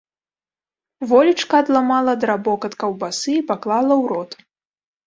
Волечка адламала драбок ад каўбасы і паклала ў рот.